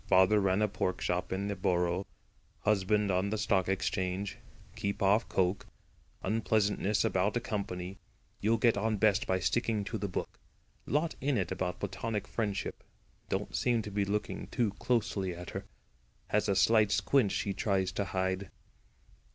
Father ran a pork shop in the Borough. Husband on the Stock Exchange. Keep off coke. Unpleasantness about a company. You'll get on best by sticking to the book. Lot in it about platonic friendship. Don't seem to be looking too closely at her. Has a slight squint she tries to hide."